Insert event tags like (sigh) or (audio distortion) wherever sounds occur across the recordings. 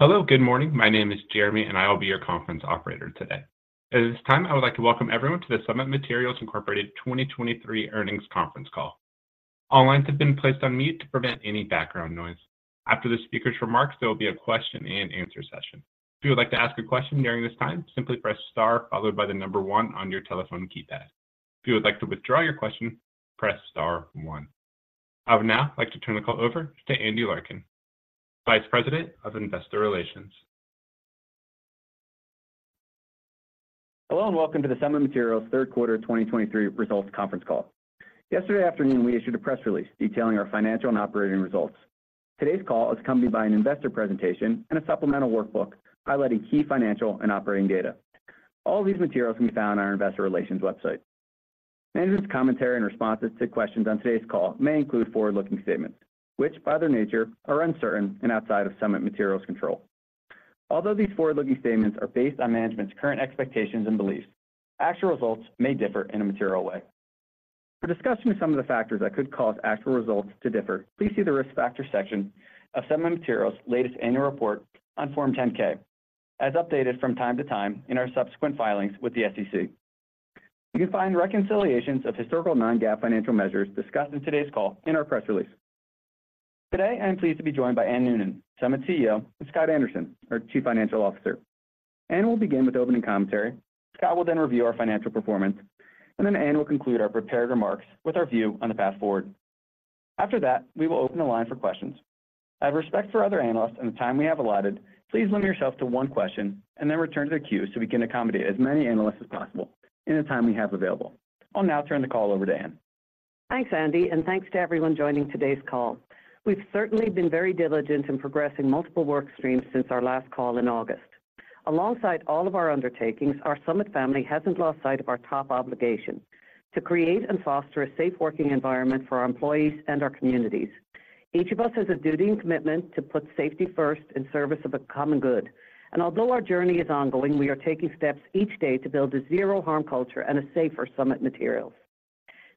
Hello, good morning. My name is Jeremy, and I will be your conference operator today. At this time, I would like to welcome everyone to the Summit Materials Incorporated 2023 earnings conference call. All lines have been placed on mute to prevent any background noise. After the speaker's remarks, there will be a question and answer session. If you would like to ask a question during this time, simply press star followed by the number one on your telephone keypad. If you would like to withdraw your question, press star one. I would now like to turn the call over to Andy Larkin, Vice President of Investor Relations. Hello, and welcome to the Summit Materials third quarter 2023 results conference call. Yesterday afternoon, we issued a press release detailing our financial and operating results. Today's call is accompanied by an investor presentation and a supplemental workbook highlighting key financial and operating data. All these materials can be found on our Investor Relations website. Management's commentary and responses to questions on today's call may include forward-looking statements, which, by their nature, are uncertain and outside of Summit Materials' control. Although these forward-looking statements are based on management's current expectations and beliefs, actual results may differ in a material way. For discussion of some of the factors that could cause actual results to differ, please see the Risk Factors section of Summit Materials' latest annual report on Form 10-K, as updated from time to time in our subsequent filings with the SEC. You can find reconciliations of historical non-GAAP financial measures discussed in today's call in our press release. Today, I am pleased to be joined by Anne Noonan, Summit CEO, and Scott Anderson, our Chief Financial Officer. Anne will begin with opening commentary. Scott will then review our financial performance, and then Anne will conclude our prepared remarks with our view on the path forward. After that, we will open the line for questions. Out of respect for other analysts and the time we have allotted, please limit yourself to one question and then return to the queue so we can accommodate as many analysts as possible in the time we have available. I'll now turn the call over to Anne. Thanks, Andy, and thanks to everyone joining today's call. We've certainly been very diligent in progressing multiple work streams since our last call in August. Alongside all of our undertakings, our Summit family hasn't lost sight of our top obligation: to create and foster a safe working environment for our employees and our communities. Each of us has a duty and commitment to put safety first in service of a common good, and although our journey is ongoing, we are taking steps each day to build a zero harm culture and a safer Summit Materials.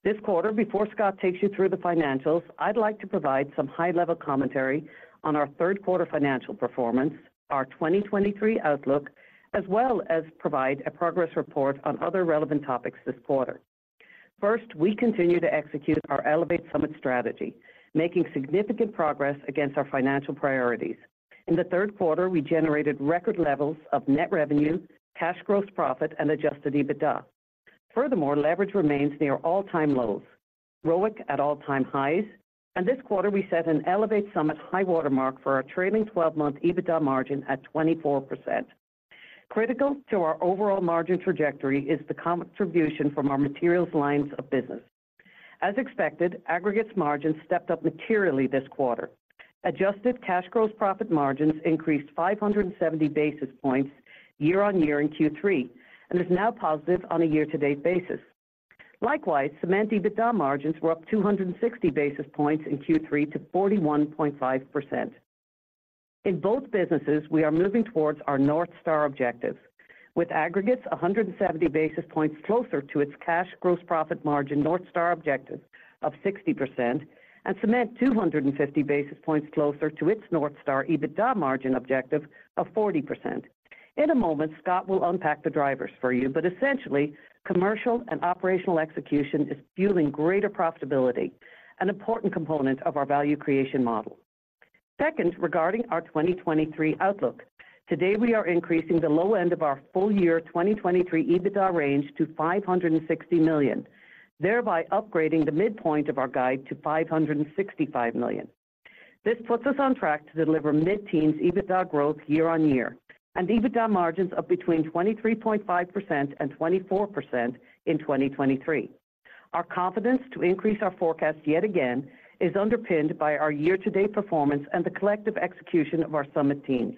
This quarter, before Scott takes you through the financials, I'd like to provide some high-level commentary on our third quarter financial performance, our 2023 outlook, as well as provide a progress report on other relevant topics this quarter. First, we continue to execute our Elevate Summit Strategy, making significant progress against our financial priorities. In the third quarter, we generated record levels of net revenue, cash gross profit, and adjusted EBITDA. Furthermore, leverage remains near all-time lows, ROIC at all-time highs, and this quarter we set an Elevate Summit high water mark for our trailing 12-month EBITDA margin at 24%. Critical to our overall margin trajectory is the contribution from our materials lines of business. As expected, aggregates margins stepped up materially this quarter. adjusted cash gross profit margins increased 570 basis points year-on-year in Q3, and is now positive on a year-to-date basis. Likewise, cement EBITDA margins were up 260 basis points in Q3 to 41.5%. In both businesses, we are moving towards our North Star objectives, with aggregates 170 basis points closer to its cash gross profit margin North Star objective of 60%, and cement 250 basis points closer to its North Star EBITDA margin objective of 40%. In a moment, Scott will unpack the drivers for you, but essentially, commercial and operational execution is fueling greater profitability, an important component of our value creation model. Second, regarding our 2023 outlook, today, we are increasing the low end of our full year 2023 EBITDA range to $560 million, thereby upgrading the midpoint of our guide to $565 million. This puts us on track to deliver mid-teens EBITDA growth year-on-year, and EBITDA margins of between 23.5% and 24% in 2023. Our confidence to increase our forecast yet again is underpinned by our year-to-date performance and the collective execution of our Summit teams.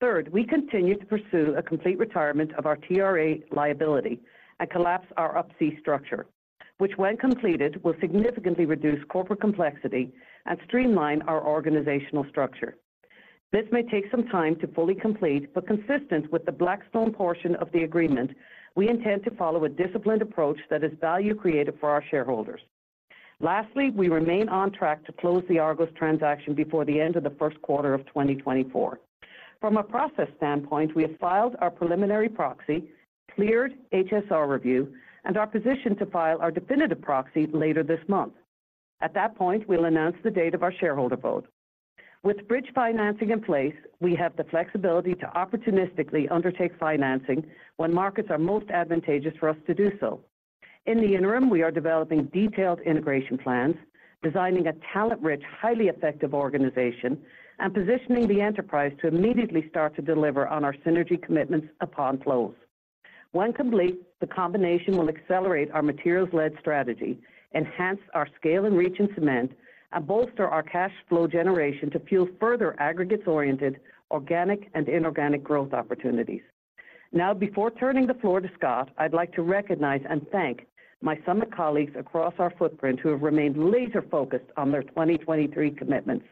Third, we continue to pursue a complete retirement of our TRA liability and collapse our Up-C structure, which when completed, will significantly reduce corporate complexity and streamline our organizational structure. This may take some time to fully complete, but consistent with the Blackstone portion of the agreement, we intend to follow a disciplined approach that is value creative for our shareholders. Lastly, we remain on track to close the Argos transaction before the end of the first quarter of 2024. From a process standpoint, we have filed our preliminary proxy, cleared HSR review, and are positioned to file our definitive proxy later this month. At that point, we'll announce the date of our shareholder vote. With bridge financing in place, we have the flexibility to opportunistically undertake financing when markets are most advantageous for us to do so. In the interim, we are developing detailed integration plans, designing a talent-rich, highly effective organization, and positioning the enterprise to immediately start to deliver on our synergy commitments upon close. When complete, the combination will accelerate our materials-led strategy, enhance our scale and reach in cement, and bolster our cash flow generation to fuel further aggregates-oriented, organic and inorganic growth opportunities. Now, before turning the floor to Scott, I'd like to recognize and thank my Summit colleagues across our footprint who have remained laser focused on their 2023 commitments.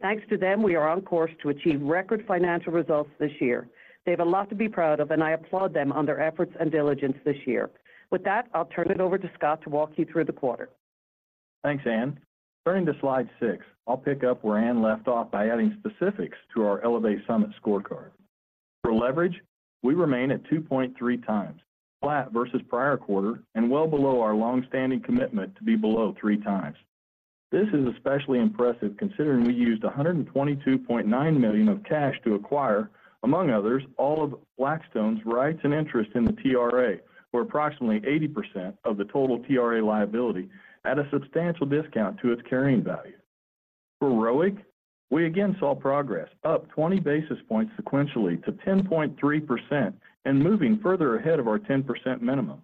Thanks to them, we are on course to achieve record financial results this year. They have a lot to be proud of, and I applaud them on their efforts and diligence this year. With that, I'll turn it over to Scott to walk you through the quarter. Thanks, Anne. Turning to Slide 6, I'll pick up where Anne left off by adding specifics to our Elevate Summit scorecard. For leverage, we remain at 2.3x, flat versus prior quarter, and well below our long-standing commitment to be below 3x. This is especially impressive considering we used $122.9 million of cash to acquire, among others, all of Blackstone's rights and interest in the TRA, or approximately 80% of the total TRA liability at a substantial discount to its carrying value. For ROIC, we again saw progress up 20 basis points sequentially to 10.3% and moving further ahead of our 10% minimum.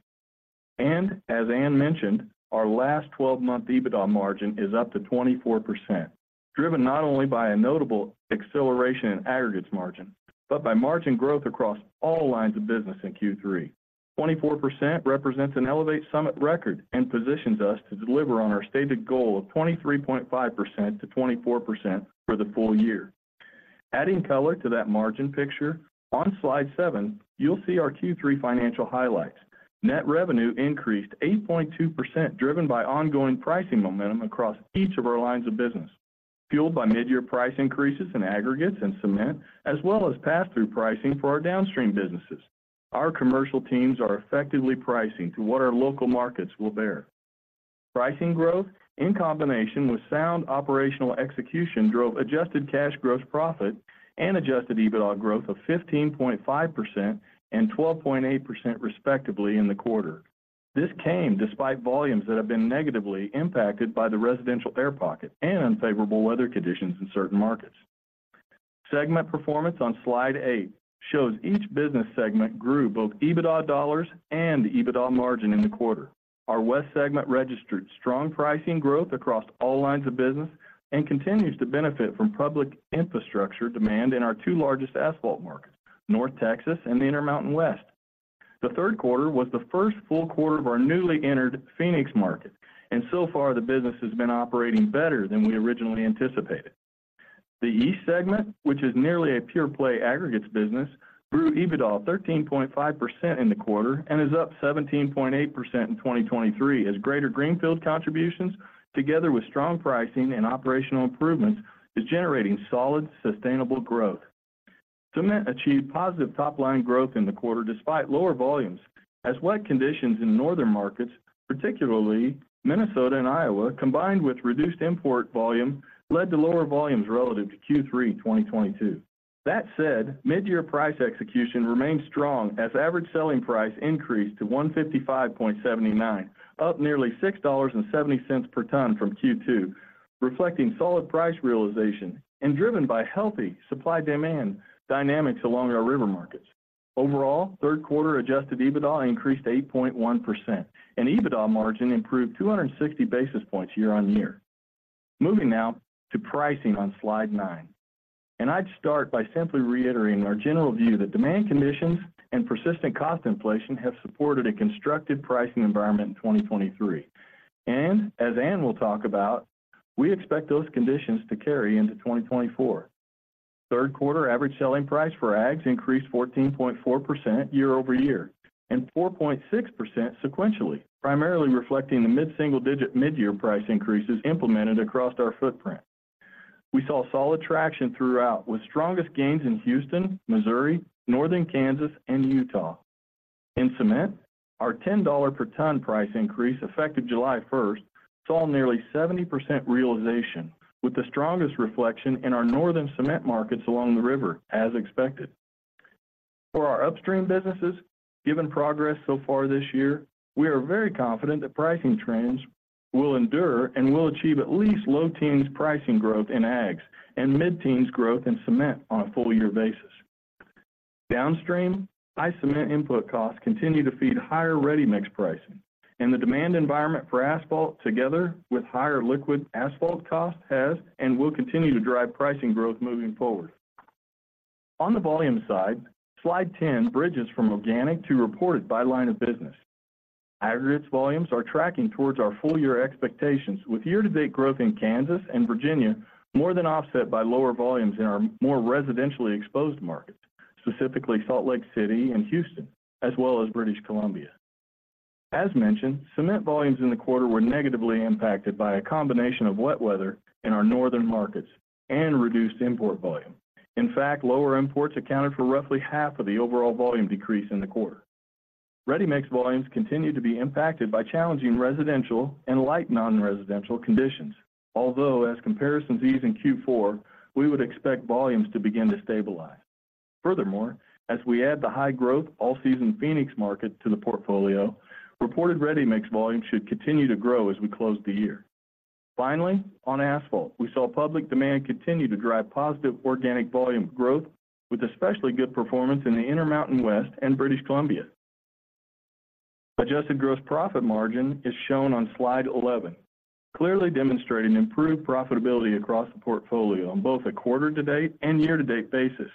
As Anne mentioned, our last 12-month EBITDA margin is up to 24%, driven not only by a notable acceleration in aggregates margin, but by margin growth across all lines of business in Q3. 24% represents an Elevate Summit record and positions us to deliver on our stated goal of 23.5%-24% for the full year. Adding color to that margin picture, on Slide 7, you'll see our Q3 financial highlights. Net revenue increased 8.2%, driven by ongoing pricing momentum across each of our lines of business, fueled by midyear price increases in aggregates and cement, as well as pass-through pricing for our downstream businesses. Our commercial teams are effectively pricing to what our local markets will bear. Pricing growth, in combination with sound operational execution, drove adjusted cash gross profit and adjusted EBITDA growth of 15.5% and 12.8%, respectively, in the quarter. This came despite volumes that have been negatively impacted by the residential air pocket and unfavorable weather conditions in certain markets. Segment performance on Slide 8 shows each business segment grew both EBITDA dollars and EBITDA margin in the quarter. Our West segment registered strong pricing growth across all lines of business and continues to benefit from public infrastructure demand in our two largest asphalt markets, North Texas and the Intermountain West. The third quarter was the first full quarter of our newly entered Phoenix market, and so far the business has been operating better than we originally anticipated. The East segment, which is nearly a pure play aggregates business, grew EBITDA 13.5% in the quarter and is up 17.8% in 2023 as greater greenfield contributions, together with strong pricing and operational improvements, is generating solid, sustainable growth. Cement achieved positive top-line growth in the quarter despite lower volumes, as wet conditions in northern markets, particularly Minnesota and Iowa, combined with reduced import volume, led to lower volumes relative to Q3 2022. That said, mid-year price execution remained strong as average selling price increased to $155.79, up nearly $6.70 per ton from Q2, reflecting solid price realization and driven by healthy supply-demand dynamics along our river markets. Overall, third quarter adjusted EBITDA increased 8.1%, and EBITDA margin improved 260 basis points year-over-year. Moving now to pricing on Slide 9, and I'd start by simply reiterating our general view that demand conditions and persistent cost inflation have supported a constructive pricing environment in 2023. And as Anne will talk about, we expect those conditions to carry into 2024. Third quarter average selling price for aggs increased 14.4% year-over-year, and 4.6% sequentially, primarily reflecting the mid-single-digit midyear price increases implemented across our footprint. We saw solid traction throughout, with strongest gains in Houston, Missouri, Northern Kansas and Utah. In cement, our $10 per ton price increase, effective July 1st, saw nearly 70% realization, with the strongest reflection in our northern cement markets along the river, as expected. For our upstream businesses, given progress so far this year, we are very confident that pricing trends will endure and will achieve at least low teens pricing growth in aggs and mid-teens growth in cement on a full-year basis. Downstream, high cement input costs continue to feed higher ready-mix pricing, and the demand environment for asphalt, together with higher liquid asphalt costs, has and will continue to drive pricing growth moving forward. On the volume side, Slide 10 bridges from organic to reported by line of business. Aggregates volumes are tracking towards our full-year expectations, with year-to-date growth in Kansas and Virginia more than offset by lower volumes in our more residentially exposed markets, specifically Salt Lake City and Houston, as well as British Columbia. As mentioned, cement volumes in the quarter were negatively impacted by a combination of wet weather in our northern markets and reduced import volume. In fact, lower imports accounted for roughly half of the overall volume decrease in the quarter. Ready-mix volumes continue to be impacted by challenging residential and light non-residential conditions. Although, as comparisons ease in Q4, we would expect volumes to begin to stabilize. Furthermore, as we add the high-growth, all-season Phoenix market to the portfolio, reported ready-mix volumes should continue to grow as we close the year. Finally, on asphalt, we saw public demand continue to drive positive organic volume growth, with especially good performance in the Intermountain West and British Columbia. Adjusted gross profit margin is shown on Slide 11, clearly demonstrating improved profitability across the portfolio on both a quarter-to-date and year-to-date basis.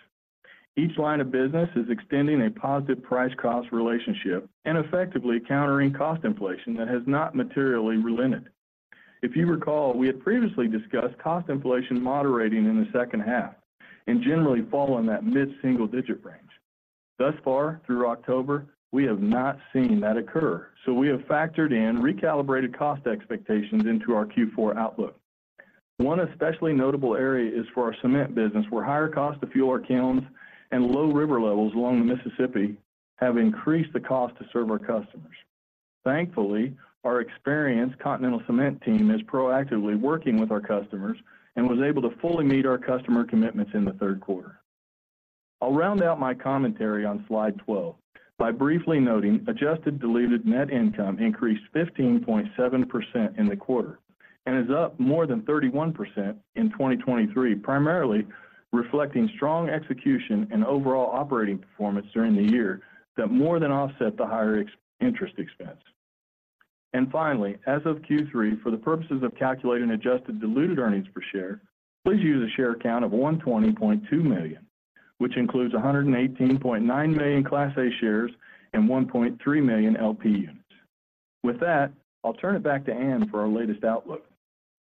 Each line of business is extending a positive price-cost relationship and effectively countering cost inflation that has not materially relented. If you recall, we had previously discussed cost inflation moderating in the second half and generally fall in that mid-single-digit range. Thus far, through October, we have not seen that occur, so we have factored in recalibrated cost expectations into our Q4 outlook. One especially notable area is for our cement business, where higher cost to fuel our kilns and low river levels along the Mississippi have increased the cost to serve our customers. Thankfully, our experienced Continental Cement team is proactively working with our customers and was able to fully meet our customer commitments in the third quarter. I'll round out my commentary on Slide 12 by briefly noting adjusted diluted net income increased 15.7% in the quarter, and is up more than 31% in 2023, primarily reflecting strong execution and overall operating performance during the year that more than offset the higher interest expense. Finally, as of Q3, for the purposes of calculating adjusted diluted earnings per share, please use a share count of 120.2 million, which includes 118.9 million Class A shares and 1.3 million LP units. With that, I'll turn it back to Anne for our latest outlook.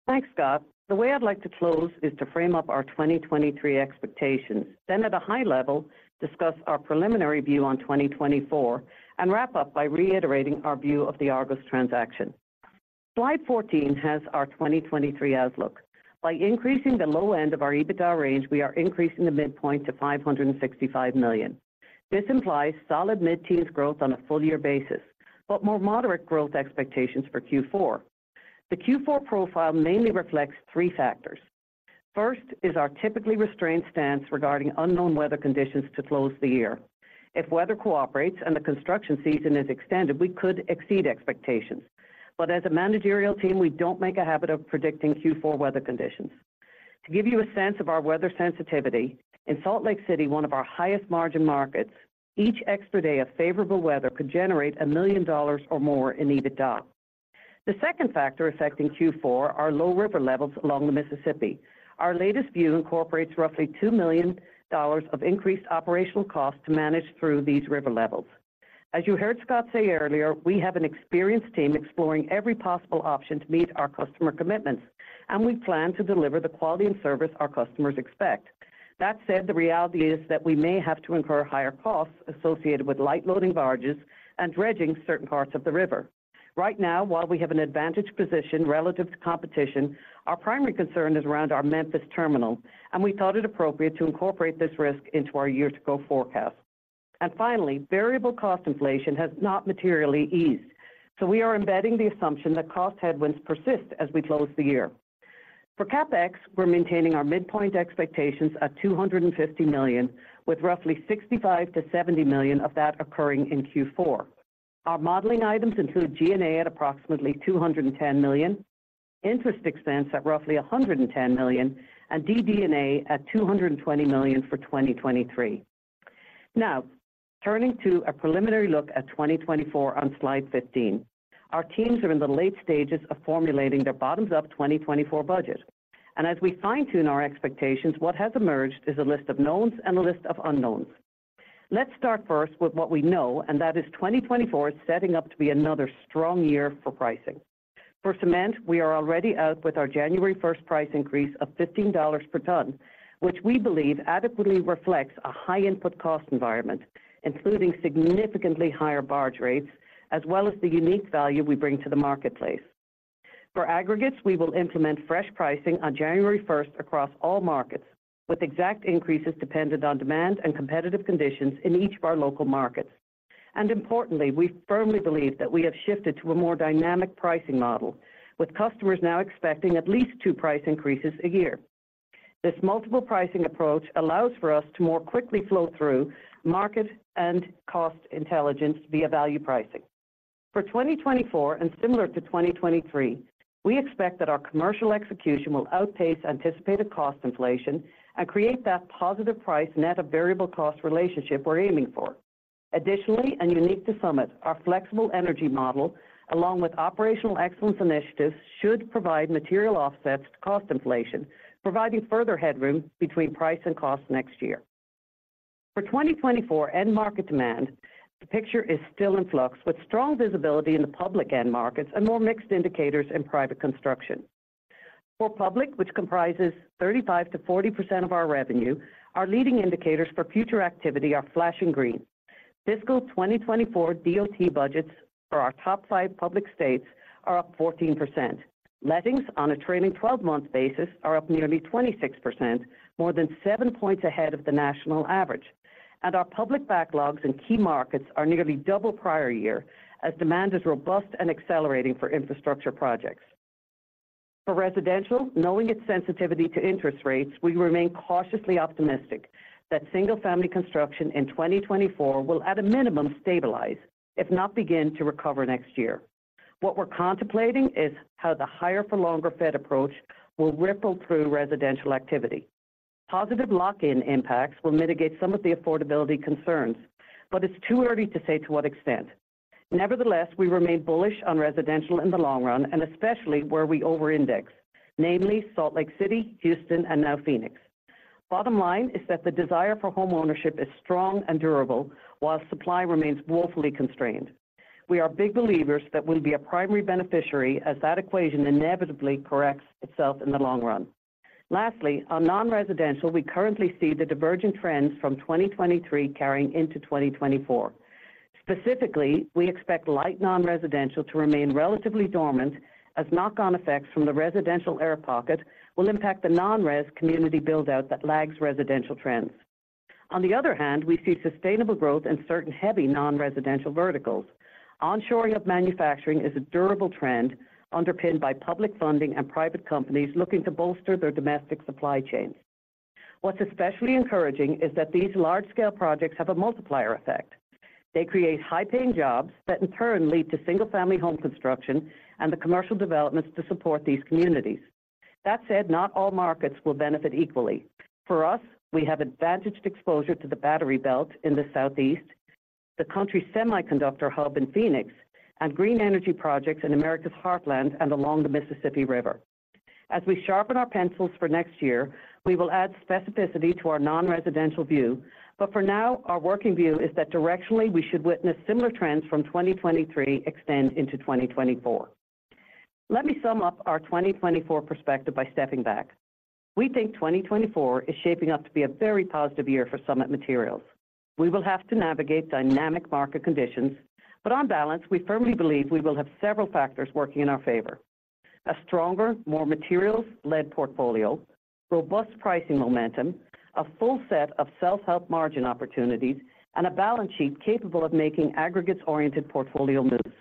Thanks, Scott. The way I'd like to close is to frame up our 2023 expectations, then at a high level, discuss our preliminary view on 2024, and wrap up by reiterating our view of the Argos transaction. Slide 14 has our 2023 outlook. By increasing the low end of our EBITDA range, we are increasing the midpoint to $565 million. This implies solid mid-teens growth on a full year basis, but more moderate growth expectations for Q4. The Q4 profile mainly reflects three factors. First, is our typically restrained stance regarding unknown weather conditions to close the year. If weather cooperates and the construction season is extended, we could exceed expectations. But as a managerial team, we don't make a habit of predicting Q4 weather conditions. To give you a sense of our weather sensitivity, in Salt Lake City, one of our highest margin markets, each extra day of favorable weather could generate $1 million or more in EBITDA. The second factor affecting Q4 are low river levels along the Mississippi. Our latest view incorporates roughly $2 million of increased operational costs to manage through these river levels. As you heard Scott say earlier, we have an experienced team exploring every possible option to meet our customer commitments, and we plan to deliver the quality and service our customers expect. That said, the reality is that we may have to incur higher costs associated with light loading barges and dredging certain parts of the river. Right now, while we have an advantaged position relative to competition, our primary concern is around our Memphis terminal, and we thought it appropriate to incorporate this risk into our year-to-go forecast. And finally, variable cost inflation has not materially eased, so we are embedding the assumption that cost headwinds persist as we close the year. For CapEx, we're maintaining our midpoint expectations at $250 million, with roughly $65 million-$70 million of that occurring in Q4. Our modeling items include G&A at approximately $210 million, interest expense at roughly $110 million, and DD&A at $220 million for 2023. Now, turning to a preliminary look at 2024 on Slide 15. Our teams are in the late stages of formulating their bottoms-up 2024 budget. As we fine-tune our expectations, what has emerged is a list of knowns and a list of unknowns. Let's start first with what we know, and that is 2024 is setting up to be another strong year for pricing. For cement, we are already out with our January 1st price increase of $15 per ton, which we believe adequately reflects a high input cost environment, including significantly higher barge rates, as well as the unique value we bring to the marketplace. For aggregates, we will implement fresh pricing on January 1st across all markets, with exact increases dependent on demand and competitive conditions in each of our local markets. Importantly, we firmly believe that we have shifted to a more dynamic pricing model, with customers now expecting at least two price increases a year. This multiple pricing approach allows for us to more quickly flow through market and cost intelligence via value pricing. For 2024 and similar to 2023, we expect that our commercial execution will outpace anticipated cost inflation and create that positive price net of variable cost relationship we're aiming for. Additionally, and unique to Summit, our flexible energy model, along with operational excellence initiatives, should provide material offsets to cost inflation, providing further headroom between price and cost next year. For 2024 end market demand, the picture is still in flux, with strong visibility in the public end markets and more mixed indicators in private construction. For public, which comprises 35%-40% of our revenue, our leading indicators for future activity are flashing green. Fiscal 2024 DOT budgets for our top five public states are up 14%. Lettings on a trailing 12-month basis are up nearly 26%, more than seven points ahead of the national average. Our public backlogs in key markets are nearly double prior year, as demand is robust and accelerating for infrastructure projects. For residential, knowing its sensitivity to interest rates, we remain cautiously optimistic that single-family construction in 2024 will, at a minimum, stabilize, if not begin to recover next year. What we're contemplating is how the higher for longer Fed approach will ripple through residential activity. Positive lock-in impacts will mitigate some of the affordability concerns, but it's too early to say to what extent. Nevertheless, we remain bullish on residential in the long run, and especially where we over-index, namely Salt Lake City, Houston, and now Phoenix. Bottom line is that the desire for homeownership is strong and durable, while supply remains woefully constrained. We are big believers that we'll be a primary beneficiary as that equation inevitably corrects itself in the long run. Lastly, on non-residential, we currently see the divergent trends from 2023 carrying into 2024. Specifically, we expect light non-residential to remain relatively dormant as knock-on effects from the residential air pocket will impact the non-res community build-out that lags residential trends. On the other hand, we see sustainable growth in certain heavy non-residential verticals. Onshoring of manufacturing is a durable trend underpinned by public funding and private companies looking to bolster their domestic supply chains. What's especially encouraging is that these large-scale projects have a multiplier effect. They create high-paying jobs that in turn lead to single-family home construction and the commercial developments to support these communities. That said, not all markets will benefit equally. For us, we have advantaged exposure to the Battery Belt in the Southeast, the country's semiconductor hub in Phoenix, and green energy projects in America's heartland and along the Mississippi River. As we sharpen our pencils for next year, we will add specificity to our non-residential view. But for now, our working view is that directionally, we should witness similar trends from 2023 extend into 2024. Let me sum up our 2024 perspective by stepping back. We think 2024 is shaping up to be a very positive year for Summit Materials. We will have to navigate dynamic market conditions, but on balance, we firmly believe we will have several factors working in our favor. A stronger, more materials-led portfolio, robust pricing momentum, a full set of self-help margin opportunities, and a balance sheet capable of making aggregates-oriented portfolio moves.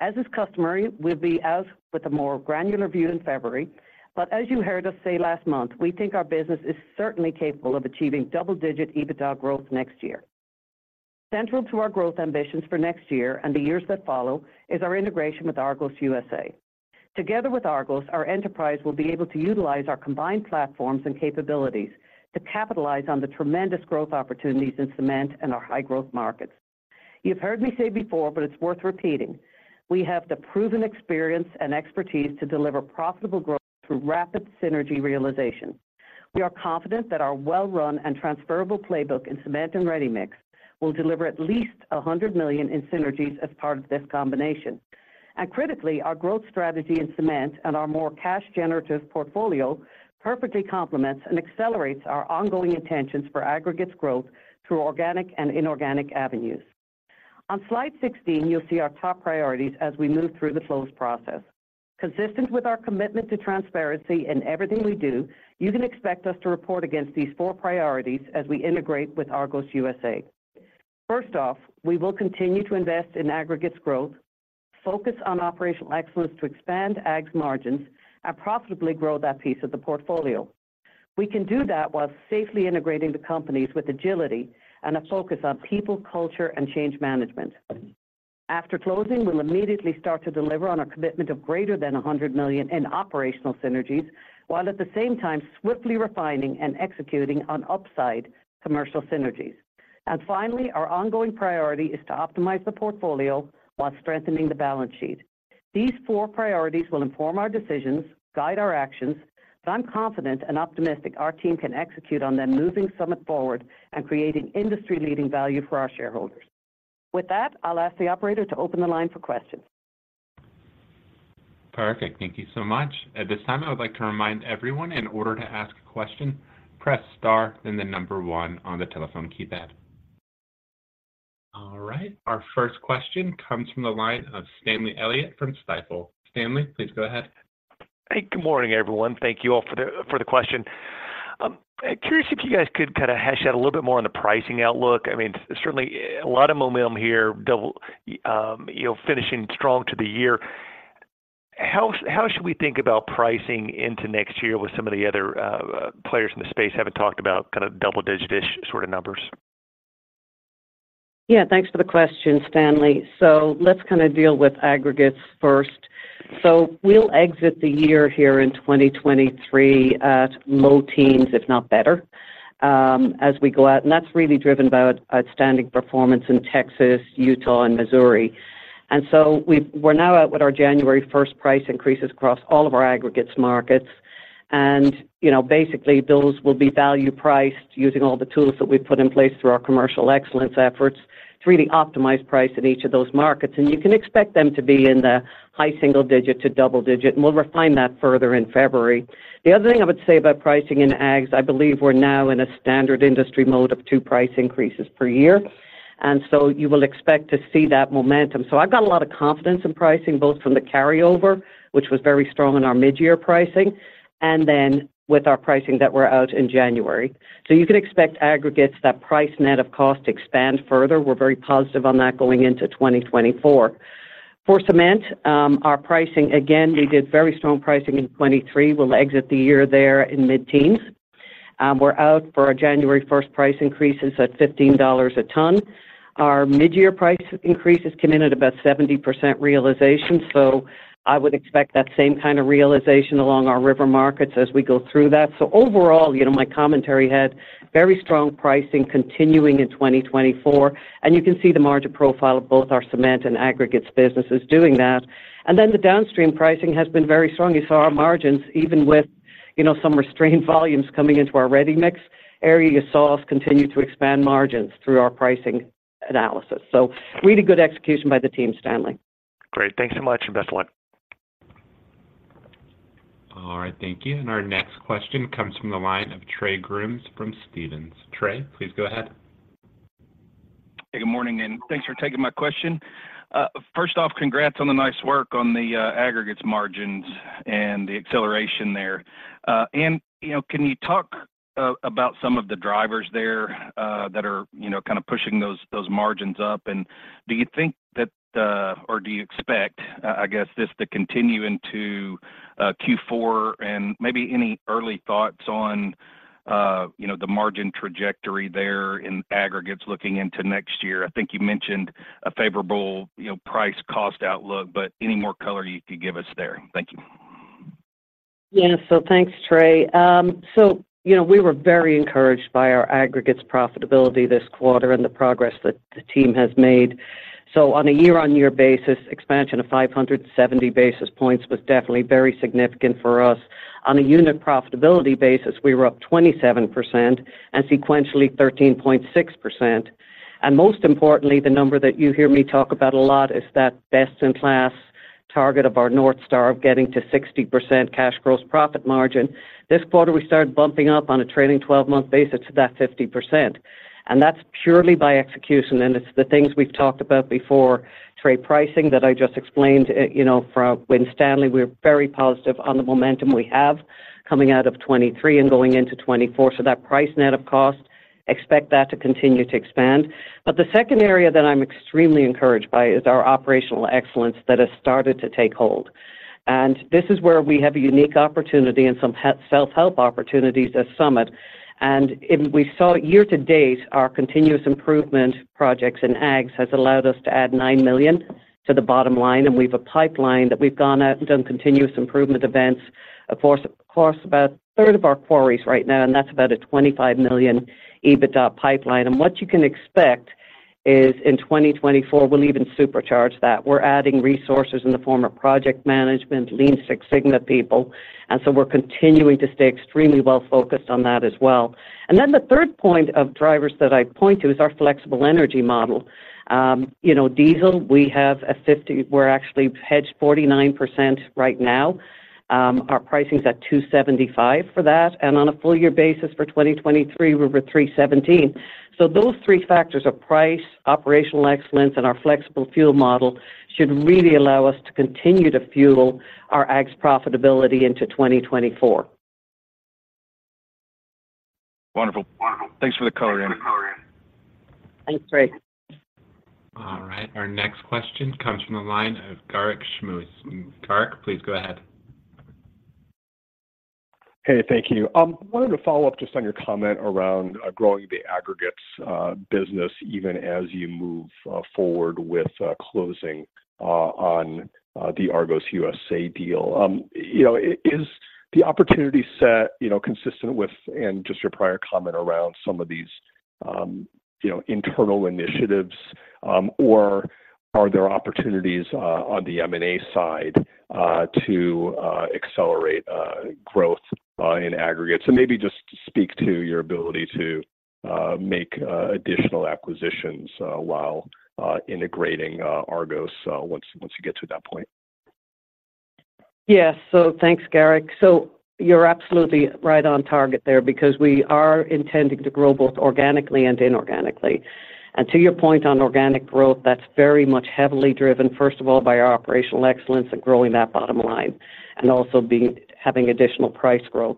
As is customary, we'll be out with a more granular view in February, but as you heard us say last month, we think our business is certainly capable of achieving double-digit EBITDA growth next year. Central to our growth ambitions for next year and the years that follow, is our integration with Argos USA. Together with Argos, our enterprise will be able to utilize our combined platforms and capabilities to capitalize on the tremendous growth opportunities in cement and our high-growth markets. You've heard me say before, but it's worth repeating, we have the proven experience and expertise to deliver profitable growth through rapid synergy realization. We are confident that our well-run and transferable playbook in cement and ready-mix will deliver at least $100 million in synergies as part of this combination. Critically, our growth strategy in cement and our more cash-generative portfolio perfectly complements and accelerates our ongoing intentions for aggregates growth through organic and inorganic avenues. On Slide 16, you'll see our top priorities as we move through the close process. Consistent with our commitment to transparency in everything we do, you can expect us to report against these four priorities as we integrate with Argos USA. First off, we will continue to invest in aggregates growth, focus on operational excellence to expand aggs' margins, and profitably grow that piece of the portfolio. We can do that while safely integrating the companies with agility and a focus on people, culture, and change management. After closing, we'll immediately start to deliver on our commitment of greater than $100 million in operational synergies, while at the same time swiftly refining and executing on upside commercial synergies. Finally, our ongoing priority is to optimize the portfolio while strengthening the balance sheet. These four priorities will inform our decisions, guide our actions, and I'm confident and optimistic our team can execute on them, moving Summit forward and creating industry-leading value for our shareholders. With that, I'll ask the operator to open the line for questions. Perfect. Thank you so much. At this time, I would like to remind everyone, in order to ask a question, press star, then the number one on the telephone keypad. All right, our first question comes from the line of Stanley Elliott from Stifel. Stanley, please go ahead. Hey, good morning, everyone. Thank you all for the question. Curious if you guys could kind of hash out a little bit more on the pricing outlook. I mean, certainly a lot of momentum here, double, you know, finishing strong to the year. How should we think about pricing into next year with some of the other players in the space haven't talked about kind of double-digit-ish sort of numbers? Yeah, thanks for the question, Stanley. So let's kind of deal with aggregates first. So we'll exit the year here in 2023 at low teens, if not better, as we go out, and that's really driven by outstanding performance in Texas, Utah, and Missouri. And so we're now at with our January 1st price increases across all of our aggregates markets. And, you know, basically, those will be value-priced using all the tools that we've put in place through our commercial excellence efforts to really optimize price in each of those markets. And you can expect them to be in the high single-digit to double-digit, and we'll refine that further in February. The other thing I would say about pricing in aggs, I believe we're now in a standard industry mode of two price increases per year, and so you will expect to see that momentum. So I've got a lot of confidence in pricing, both from the carryover, which was very strong in our mid-year pricing, and then with our pricing that we're out in January. So you can expect aggregates, that price net of cost, expand further. We're very positive on that going into 2024. For cement, our pricing, again, we did very strong pricing in 2023. We'll exit the year there in mid-teens. We're out for our January 1st price increases at $15 a ton. Our mid-year price increases come in at about 70% realization, so I would expect that same kind of realization along our river markets as we go through that. So overall, you know, my commentary had very strong pricing continuing in 2024, and you can see the margin profile of both our cement and aggregates businesses doing that. And then the downstream pricing has been very strong. You saw our margins, even with, you know, some restrained volumes coming into our ready-mix area. You saw us continue to expand margins through our pricing analysis. So really good execution by the team, Stanley. Great. Thanks so much, and best of luck. All right, thank you. Our next question comes from the line of Trey Grooms from Stephens. Trey, please go ahead. Hey, good morning, and thanks for taking my question. First off, congrats on the nice work on the, aggregates margins and the acceleration there. And, you know, can you talk about some of the drivers there that are, you know, kind of pushing those, those margins up? And do you think that, or do you expect, I guess, this to continue into Q4? And maybe any early thoughts on, you know, the margin trajectory there in aggregates looking into next year? I think you mentioned a favorable, you know, price cost outlook, but any more color you could give us there? Thank you. Yeah. So thanks, Trey. So, you know, we were very encouraged by our aggregates profitability this quarter and the progress that the team has made. So on a year-on-year basis, expansion of 570 basis points was definitely very significant for us. On a unit profitability basis, we were up 27% and sequentially, 13.6%. And most importantly, the number that you hear me talk about a lot is that best-in-class target of our North Star, of getting to 60% cash gross profit margin. This quarter, we started bumping up on a trailing 12-month basis to that 50%, and that's purely by execution, and it's the things we've talked about before, Trey, pricing, that I just explained. You know, from when Stanley, we're very positive on the momentum we have coming out of 2023 and going into 2024. So that price net of cost, expect that to continue to expand. But the second area that I'm extremely encouraged by is our operational excellence that has started to take hold. And this is where we have a unique opportunity and some self-help opportunities at Summit. And we saw year to date, our continuous improvement projects in aggs has allowed us to add $9 million to the bottom line, and we've a pipeline that we've gone out and done continuous improvement events across, across about 1/3 of our quarries right now, and that's about a $25 million EBITDA pipeline. And what you can expect is in 2024, we'll even supercharge that. We're adding resources in the form of project management, Lean Six Sigma people, and so we're continuing to stay extremely well focused on that as well. And then the third point of drivers that I point to is our flexible energy model. You know, diesel, we have a 50, we're actually hedged 49% right now. Our pricing is at $2.75 for that, and on a full year basis for 2023, we're at $3.17. So those three factors of price, operational excellence, and our flexible fuel model should really allow us to continue to fuel our aggs profitability into 2024. Wonderful. Thanks for the color. Thanks, Trey. All right, our next question comes from the line of Garik Shmois. Garik, please go ahead. Hey, thank you. I wanted to follow up just on your comment around growing the aggregates business, even as you move forward with closing on the Argos USA deal. You know, is the opportunity set, you know, consistent with and just your prior comment around some of these, you know, internal initiatives, or are there opportunities on the M&A side to accelerate growth in aggregates? So maybe just speak to your ability to make additional acquisitions while integrating Argos once you get to that point. Yes. So thanks, Garik. So you're absolutely right on target there, because we are intending to grow both organically and inorganically. And to your point on organic growth, that's very much heavily driven, first of all, by our operational excellence and growing that bottom line, and also being, having additional price growth.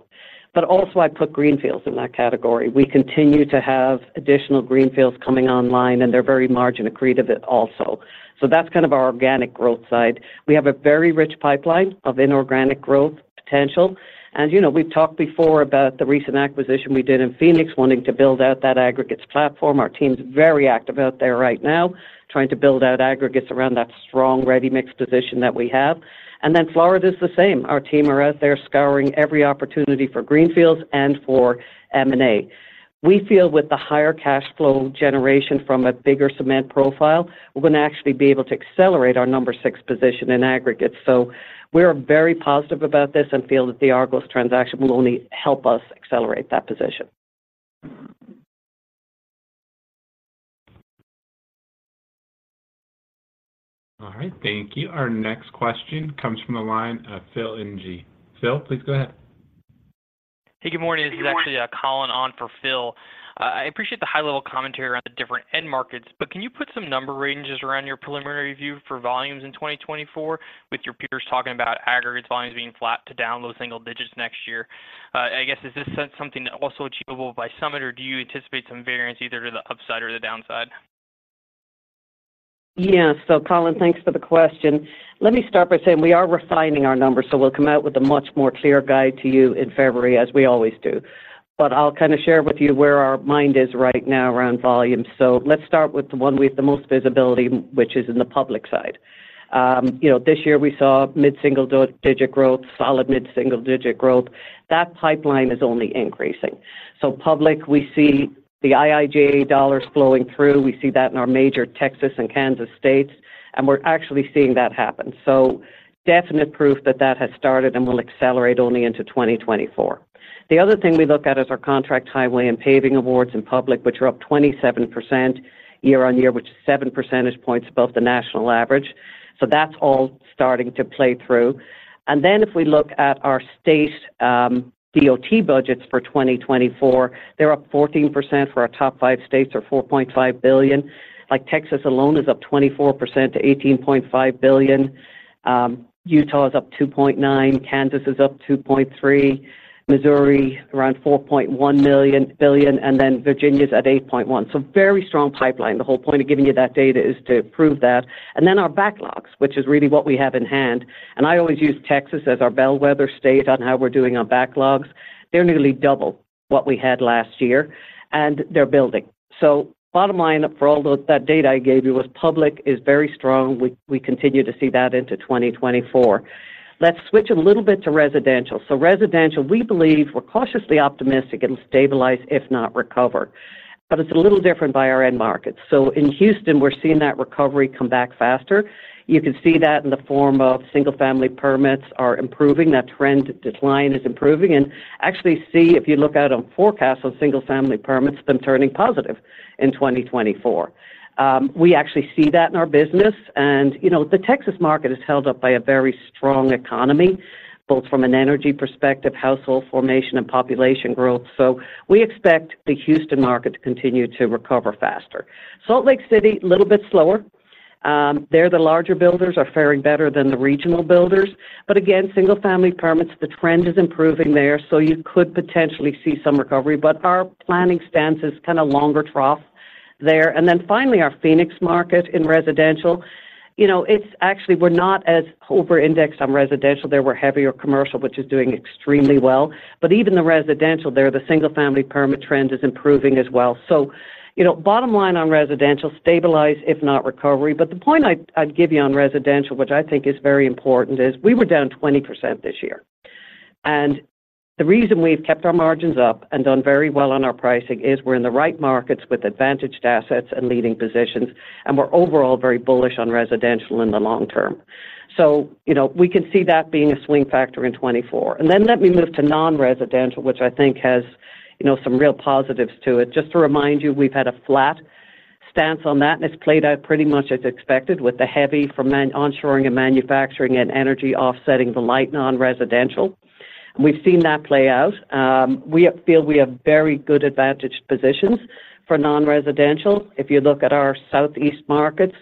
But also, I put greenfields in that category. We continue to have additional greenfields coming online, and they're very margin accretive also. So that's kind of our organic growth side. We have a very rich pipeline of inorganic growth potential. And you know, we've talked before about the recent acquisition we did in Phoenix, wanting to build out that aggregates platform. Our team's very active out there right now, trying to build out aggregates around that strong, ready mix position that we have. And then Florida is the same. Our team are out there scouring every opportunity for greenfields and for M&A. We feel with the higher cash flow generation from a bigger cement profile, we're going to actually be able to accelerate our number six position in aggregate. So we are very positive about this and feel that the Argos transaction will only help us accelerate that position. All right, thank you. Our next question comes from the line of Phil Ng. Phil, please go ahead. Hey, good morning. This is actually, Collin on for Phil. I appreciate the high-level commentary around the different end markets, but can you put some number ranges around your preliminary view for volumes in 2024, with your peers talking about aggregates volumes being flat to down those single digits next year? I guess, is this something also achievable by Summit, or do you anticipate some variance either to the upside or the downside? Yeah. So, Collin, thanks for the question. Let me start by saying we are refining our numbers, so we'll come out with a much more clear guide to you in February, as we always do. But I'll kind of share with you where our mind is right now around volume. So let's start with the one we have the most visibility, which is in the public side. You know, this year we saw mid-single-digit growth, solid mid-single-digit growth. That pipeline is only increasing. So public, we see the IIJA dollars flowing through. We see that in our major Texas and Kansas states, and we're actually seeing that happen. So definite proof that that has started and will accelerate only into 2024. The other thing we look at is our contract highway and paving awards in public, which are up 27% year-on-year, which is 7 percentage points above the national average. So that's all starting to play through. And then if we look at our state, DOT budgets for 2024, they're up 14% for our top five states or $4.5 billion. Like, Texas alone is up 24% to $18.5 billion. Utah is up $2.9 billion, Kansas is up $2.3 billion, Missouri around $4.1 billion, and then Virginia's at $8.1 billion. So very strong pipeline. The whole point of giving you that data is to prove that. And then our backlogs, which is really what we have in hand, and I always use Texas as our bellwether state on how we're doing on backlogs. They're nearly double what we had last year, and they're building. So, bottom line, for all the that data I gave you was public is very strong. We continue to see that into 2024. Let's switch a little bit to residential. So, residential, we believe, we're cautiously optimistic, it'll stabilize, if not recover, but it's a little different by our end markets. So in Houston, we're seeing that recovery come back faster. You can see that in the form of single-family permits are improving. That trend decline is improving. And actually see, if you look out on forecasts on single-family permits, them turning positive in 2024. We actually see that in our business. And, you know, the Texas market is held up by a very strong economy, both from an energy perspective, household formation, and population growth. So we expect the Houston market to continue to recover faster. Salt Lake City, a little bit slower. There, the larger builders are faring better than the regional builders. But again, single-family permits, the trend is improving there, so you could potentially see some recovery. But our planning stance is kind of longer trough there. And then finally, our Phoenix market in residential. You know, it's actually we're not as overindexed on residential there. We're heavier commercial, which is doing extremely well. But even the residential there, the single-family permit trend is improving as well. So, you know, bottom line on residential, stabilize, if not recovery. But the point I'd, I'd give you on residential, which I think is very important, is we were down 20% this year. And the reason we've kept our margins up and done very well on our pricing is we're in the right markets with advantaged assets and leading positions, and we're overall very bullish on residential in the long term. So you know, we can see that being a swing factor in 2024. And then let me move to non-residential, which I think has, you know, some real positives to it. Just to remind you, we've had a flat stance on that, and it's played out pretty much as expected, with the heavy from onshoring and manufacturing and energy offsetting the light non-residential. And we've seen that play out. We feel we have very good advantaged positions for non-residential. If you look at our Southeast markets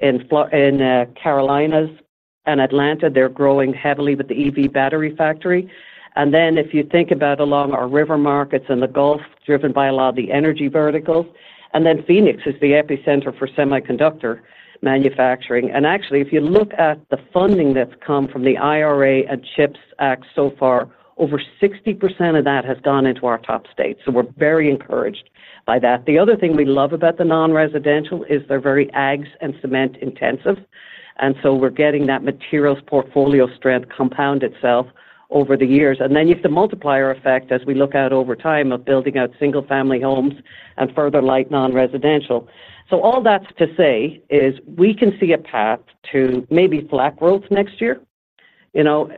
in Carolinas and Atlanta, they're growing heavily with the EV battery factory. And then if you think about along our river markets and the Gulf, driven by a lot of the energy verticals. And then Phoenix is the epicenter for semiconductor manufacturing. And actually, if you look at the funding that's come from the IRA and CHIPS Act so far, over 60% of that has gone into our top states. So we're very encouraged by that. The other thing we love about the non-residential is they're very aggs and cement intensive, and so we're getting that materials portfolio strength compound itself over the years. And then you have the multiplier effect as we look out over time of building out single-family homes and further light non-residential. So all that's to say is we can see a path to maybe flat growth next year. You know,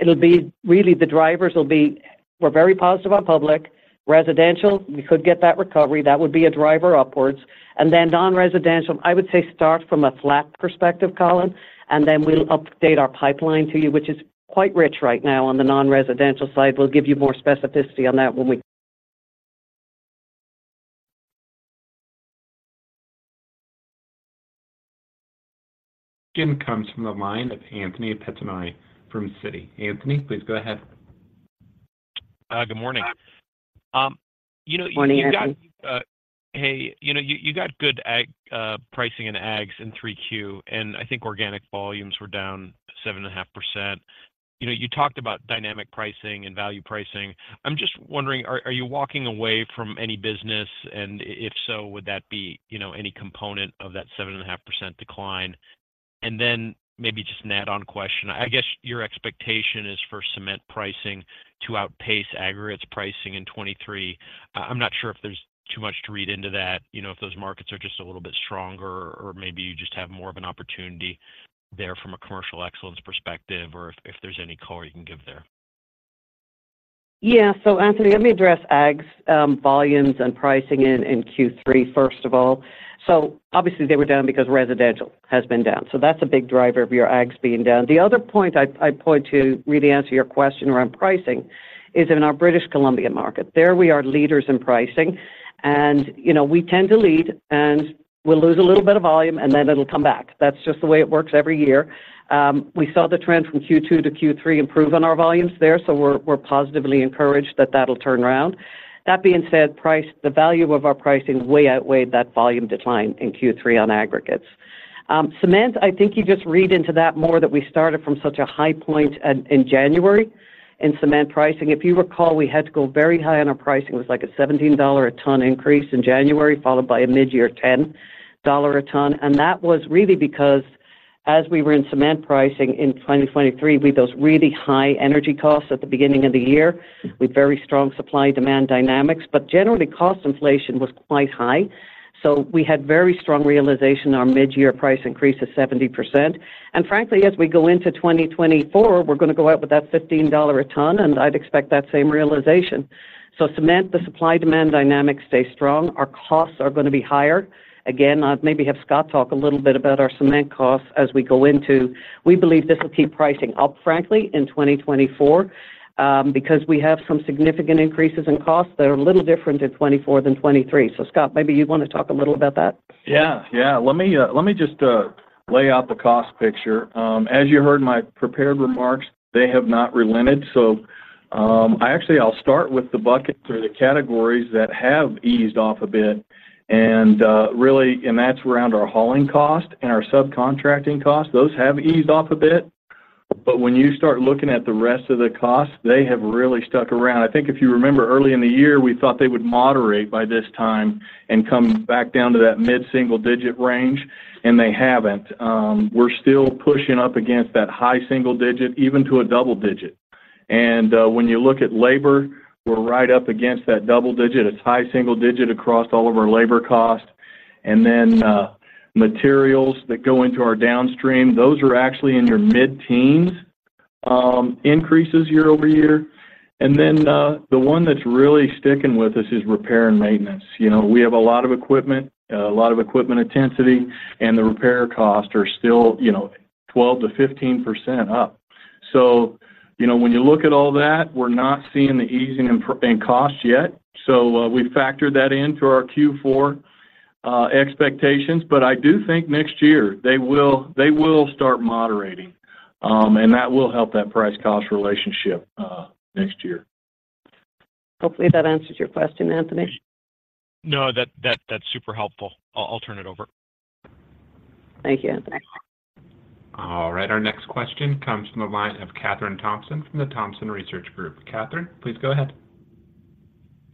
it'll be really, the drivers will be, we're very positive on public. Residential, we could get that recovery. That would be a driver upwards. And then non-residential, I would say start from a flat perspective, Collin, and then we'll update our pipeline to you, which is quite rich right now on the non-residential side. We'll give you more specificity on that when we. (audio distortion) Comes from the line of Anthony Pettinari from Citi. Anthony, please go ahead. Good morning. You know. Good morning, Anthony. You got, hey, you know, you, you got good agg, pricing in aggs in 3Q, and I think organic volumes were down 7.5%. You know, you talked about dynamic pricing and value pricing. I'm just wondering, are you walking away from any business? And if so, would that be, you know, any component of that 7.5% decline? And then maybe just an add-on question. I guess your expectation is for cement pricing to outpace aggregates pricing in 2023. I'm not sure if there's too much to read into that, you know, if those markets are just a little bit stronger or maybe you just have more of an opportunity there from a commercial excellence perspective, or if there's any color you can give there. Yeah. So, Anthony, let me address aggs, volumes and pricing in Q3, first of all. So obviously they were down because residential has been down, so that's a big driver of your aggs being down. The other point I'd point to really answer your question around pricing is in our British Columbia market. There we are leaders in pricing, and, you know, we tend to lead, and we'll lose a little bit of volume, and then it'll come back. That's just the way it works every year. We saw the trend from Q2 to Q3 improve on our volumes there, so we're positively encouraged that that'll turn around. That being said, price, the value of our pricing way outweighed that volume decline in Q3 on aggregates. Cement, I think you just read into that more, that we started from such a high point at, in January in cement pricing. If you recall, we had to go very high on our pricing. It was like a $17 a ton increase in January, followed by a mid-year $10 a ton. And that was really because as we were in cement pricing in 2023, with those really high energy costs at the beginning of the year, with very strong supply-demand dynamics, but generally cost inflation was quite high. So we had very strong realization, our mid-year price increase is 70%. And frankly, as we go into 2024, we're gonna go out with that $15 a ton, and I'd expect that same realization. So cement, the supply-demand dynamics stay strong. Our costs are gonna be higher. Again, I'll maybe have Scott talk a little bit about our cement costs as we go into. We believe this will keep pricing up, frankly, in 2024, because we have some significant increases in costs that are a little different in 2024 than 2023. So Scott, maybe you'd want to talk a little about that? Yeah. Yeah. Let me, let me just, lay out the cost picture. As you heard in my prepared remarks, they have not relented. So, I actually, I'll start with the buckets or the categories that have eased off a bit, and, really, and that's around our hauling cost and our subcontracting cost. Those have eased off a bit, but when you start looking at the rest of the cost, they have really stuck around. I think if you remember earlier in the year, we thought they would moderate by this time and come back down to that mid-single-digit range, and they haven't. We're still pushing up against that high single digit, even to a double digit. And, when you look at labor, we're right up against that double digit. It's high single digit across all of our labor costs. And then, materials that go into our downstream, those are actually in your mid-teens, increases year-over-year. And then, the one that's really sticking with us is repair and maintenance. You know, we have a lot of equipment, a lot of equipment intensity, and the repair costs are still, you know, 12%-15% up. So, you know, when you look at all that, we're not seeing the easing in costs yet, so, we factored that in to our Q4 expectations. But I do think next year they will start moderating, and that will help that price-cost relationship, next year. Hopefully, that answers your question, Anthony. No, that's super helpful. I'll turn it over. Thank you, Anthony. All right, our next question comes from the line of Kathryn Thompson from the Thompson Research Group. Kathryn, please go ahead.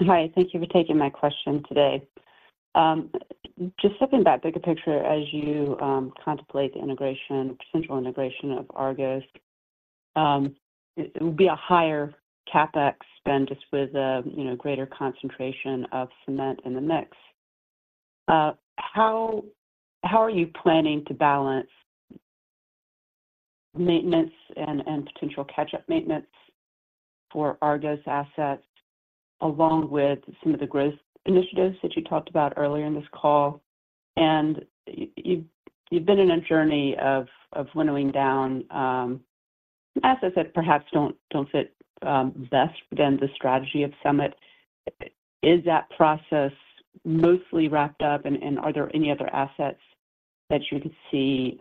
Hi, thank you for taking my question today. Just stepping back, bigger picture, as you contemplate the integration, potential integration of Argos, it would be a higher CapEx spend just with a, you know, greater concentration of cement in the mix. How are you planning to balance maintenance and potential catch-up maintenance for Argos assets, along with some of the growth initiatives that you talked about earlier in this call? And you've been in a journey of winnowing down assets that perhaps don't fit best within the strategy of Summit. Is that process mostly wrapped up, and are there any other assets that you can see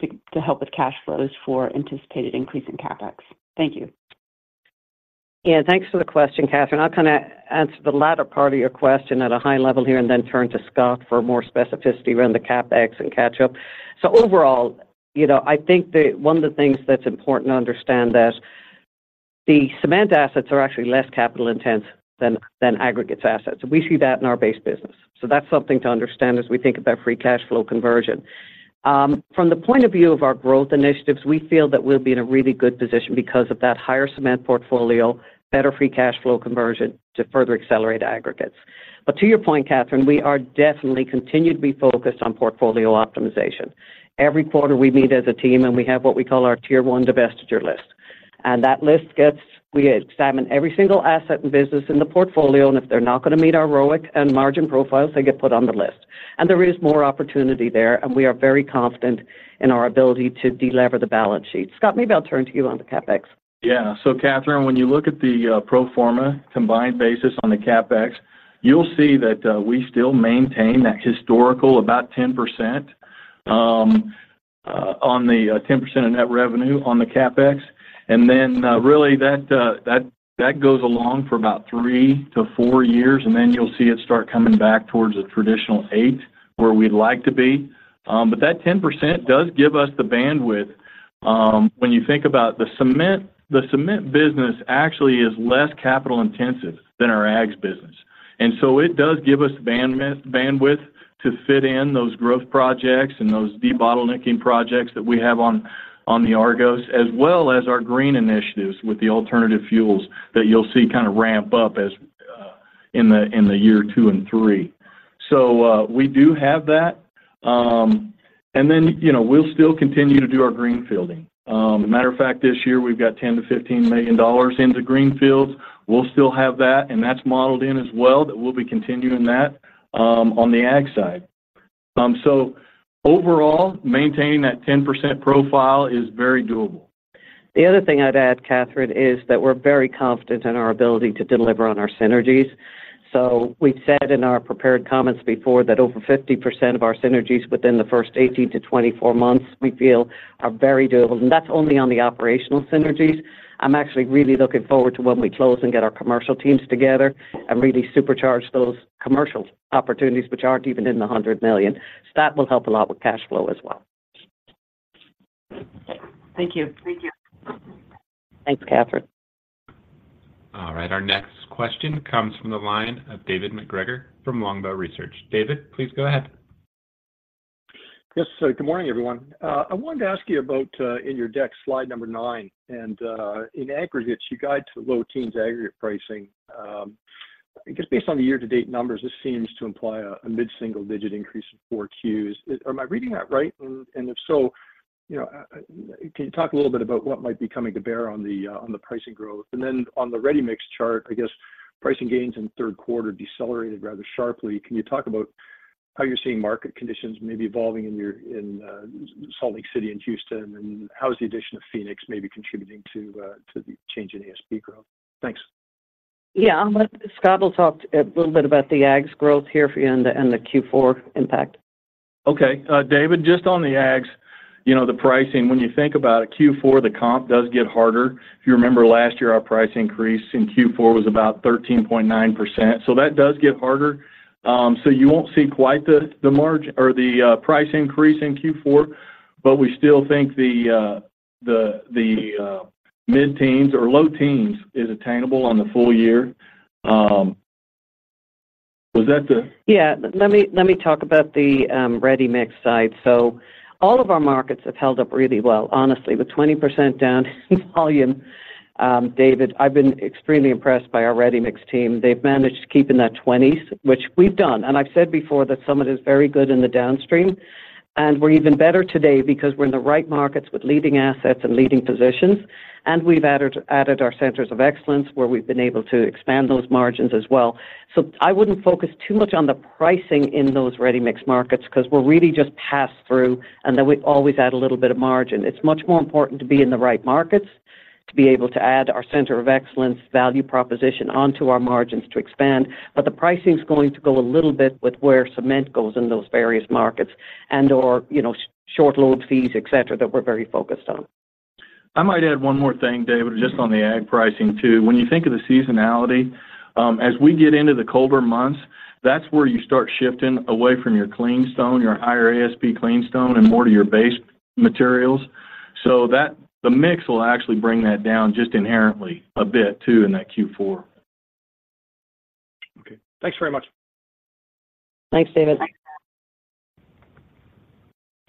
trimming to help with cash flows for anticipated increase in CapEx? Thank you. Yeah, thanks for the question, Kathryn. I'll kind of answer the latter part of your question at a high level here and then turn to Scott for more specificity around the CapEx and catch-up. So overall, you know, I think that one of the things that's important to understand that the cement assets are actually less capital intense than aggregates assets. We see that in our base business, so that's something to understand as we think about free cash flow conversion. From the point of view of our growth initiatives, we feel that we'll be in a really good position because of that higher cement portfolio, better free cash flow conversion to further accelerate aggregates. But to your point, Kathryn, we are definitely continue to be focused on portfolio optimization. Every quarter, we meet as a team, and we have what we call our tier one divestiture list. That list gets. We examine every single asset and business in the portfolio, and if they're not gonna meet our ROIC and margin profiles, they get put on the list. There is more opportunity there, and we are very confident in our ability to delever the balance sheet. Scott, maybe I'll turn to you on the CapEx. Yeah. So Kathryn, when you look at the pro forma combined basis on the CapEx, you'll see that we still maintain that historical about 10% on the 10% of net revenue on the CapEx. And then really that goes along for about three to four years, and then you'll see it start coming back towards a traditional 8%, where we'd like to be. But that 10% does give us the bandwidth. When you think about the cement, the cement business actually is less capital intensive than our aggs business, and so it does give us bandwidth, bandwidth to fit in those growth projects and those debottlenecking projects that we have on, on the Argos, as well as our green initiatives with the alternative fuels that you'll see kind of ramp up as in year two and three. So, we do have that, and then, you know, we'll still continue to do our greenfielding. As a matter of fact, this year we've got $10 million-$15 million into greenfields. We'll still have that, and that's modeled in as well, that we'll be continuing that, on the agg side. So overall, maintaining that 10% profile is very doable. The other thing I'd add, Kathryn, is that we're very confident in our ability to deliver on our synergies. So we've said in our prepared comments before that over 50% of our synergies within the first 18-24 months, we feel are very doable, and that's only on the operational synergies. I'm actually really looking forward to when we close and get our commercial teams together and really supercharge those commercial opportunities, which aren't even in the $100 million. So that will help a lot with cash flow as well. Thank you. Thank you. Thanks, Kathryn. All right, our next question comes from the line of David MacGregor from Longbow Research. David, please go ahead. Yes, so good morning, everyone. I wanted to ask you about, in your deck, Slide 9, and, in aggregates, you guide to low teens aggregate pricing. I guess based on the year-to-date numbers, this seems to imply a mid-single-digit increase in 4Qs. Am I reading that right? And if so, you know, can you talk a little bit about what might be coming to bear on the pricing growth? And then on the ready-mix chart, I guess pricing gains in the third quarter decelerated rather sharply. Can you talk about how you're seeing market conditions maybe evolving in your Salt Lake City and Houston, and how is the addition of Phoenix maybe contributing to the change in ASP growth? Thanks. Yeah. Scott will talk a little bit about the aggs growth here for you and the Q4 impact. Okay. David, just on the aggs, you know, the pricing, when you think about a Q4, the comp does get harder. If you remember last year, our price increase in Q4 was about 13.9%. So that does get harder. So you won't see quite the margin or the price increase in Q4, but we still think the mid-teens or low teens is attainable on the full year. Was that the? Yeah. Let me, let me talk about the ready-mix side. So all of our markets have held up really well. Honestly, with 20% down volume, David, I've been extremely impressed by our ready-mix team. They've managed to keep in that 20s, which we've done, and I've said before that some of it is very good in the downstream. And we're even better today because we're in the right markets with leading assets and leading positions, and we've added, added our Centers of Excellence, where we've been able to expand those margins as well. So I wouldn't focus too much on the pricing in those ready-mix markets because we're really just pass through, and then we always add a little bit of margin. It's much more important to be in the right markets, to be able to add our Center of Excellence value proposition onto our margins to expand. But the pricing is going to go a little bit with where cement goes in those various markets and/or, you know, short load fees, et cetera, that we're very focused on. I might add one more thing, David, just on the agg pricing, too. When you think of the seasonality, as we get into the colder months, that's where you start shifting away from your clean stone, your higher ASP clean stone, and more to your base materials. So that the mix will actually bring that down just inherently a bit, too, in that Q4. Okay, thanks very much. Thanks, David.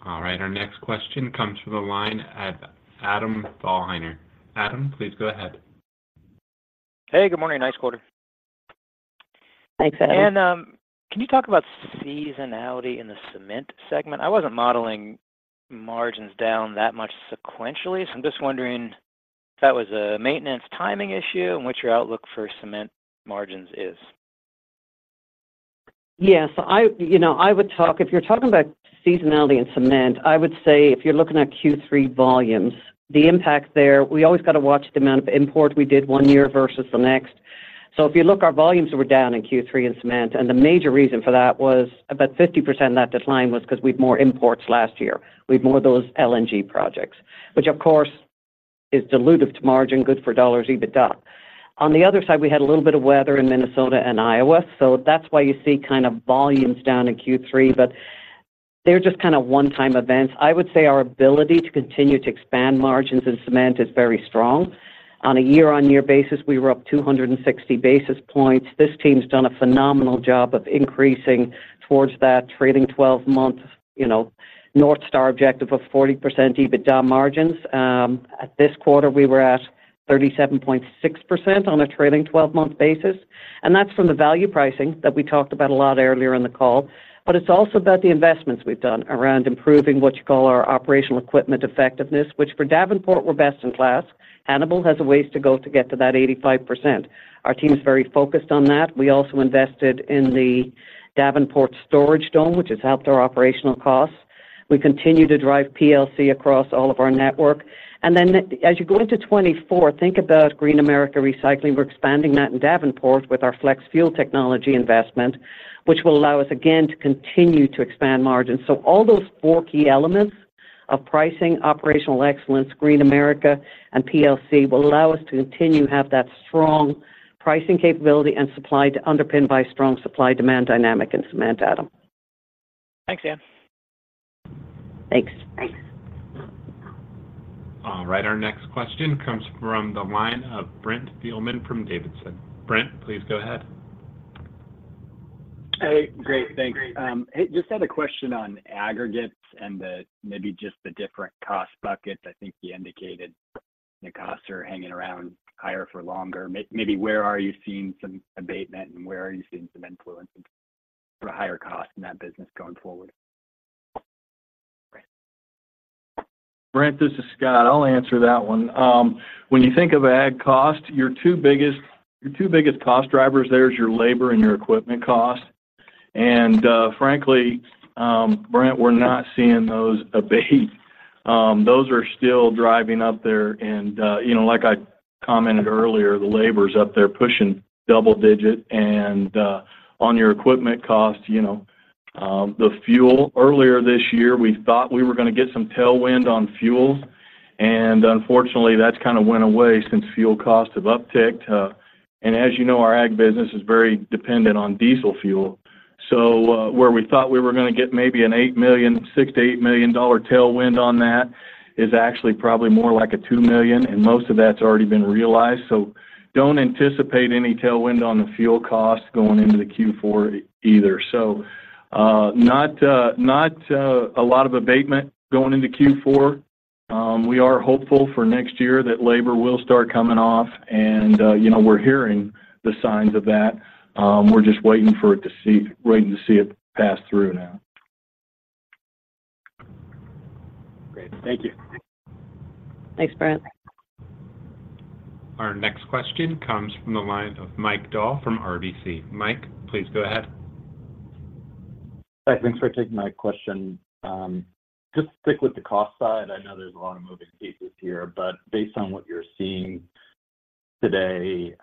All right, our next question comes from the line of Adam Thalhimer. Adam, please go ahead. Hey, good morning. Nice quarter. Thanks, Adam. Anne, can you talk about seasonality in the cement segment? I wasn't modeling margins down that much sequentially, so I'm just wondering if that was a maintenance timing issue and what your outlook for cement margins is. Yes. You know, if you're talking about seasonality in cement, I would say if you're looking at Q3 volumes, the impact there, we always got to watch the amount of import we did one year versus the next. So if you look, our volumes were down in Q3 in cement, and the major reason for that was about 50% of that decline was because we had more imports last year. We had more of those LNG projects, which of course, is dilutive to margin, good for dollars, EBITDA. On the other side, we had a little bit of weather in Minnesota and Iowa, so that's why you see kind of volumes down in Q3, but they're just kind of one-time events. I would say our ability to continue to expand margins in cement is very strong. On a year-on-year basis, we were up 260 basis points. This team's done a phenomenal job of increasing towards that trailing 12-month, you know, North Star objective of 40% EBITDA margins. At this quarter, we were at 37.6% on a trailing 12-month basis, and that's from the value pricing that we talked about a lot earlier in the call. But it's also about the investments we've done around improving what you call our operational equipment effectiveness, which for Davenport, we're best in class. Hannibal has a ways to go to get to that 85%. Our team is very focused on that. We also invested in the Davenport storage dome, which has helped our operational costs. We continue to drive PLC across all of our network. And then as you go into 2024, think about Green America Recycling. We're expanding that in Davenport with our flex fuel technology investment, which will allow us again, to continue to expand margins. So all those four key elements of pricing, operational excellence, Green America, and PLC, will allow us to continue to have that strong pricing capability and supply to underpin by strong supply-demand dynamic in cement, Adam. Thanks, Anne. Thanks. All right, our next question comes from the line of Brent Thielman from Davidson. Brent, please go ahead. Hey, great, thanks. Hey, just had a question on aggregates and the, maybe just the different cost buckets. I think you indicated the costs are hanging around higher for longer. Maybe where are you seeing some abatement, and where are you seeing some influence for higher cost in that business going forward? Brent, this is Scott. I'll answer that one. When you think of agg cost, your two biggest, your two biggest cost drivers, there is your labor and your equipment cost. And, frankly, Brent, we're not seeing those abate. Those are still driving up there, and, you know, like I commented earlier, the labor is up there pushing double digit. And, on your equipment cost, you know, the fuel, earlier this year, we thought we were going to get some tailwind on fuel, and unfortunately, that's kind of went away since fuel costs have upticked. And as you know, our agg business is very dependent on diesel fuel. So, where we thought we were going to get maybe an $8 million, $6 million-$8 million tailwind on that, is actually probably more like $2 million, and most of that's already been realized. So don't anticipate any tailwind on the fuel cost going into the Q4 either. So, not a lot of abatement going into Q4. We are hopeful for next year that labor will start coming off, and, you know, we're hearing the signs of that. We're just waiting to see it pass through now. Great. Thank you. Thanks, Brent. Our next question comes from the line of Mike Dahl from RBC. Mike, please go ahead. Hi. Thanks for taking my question. Just stick with the cost side. I know there's a lot of moving pieces here, but based on what you're seeing today,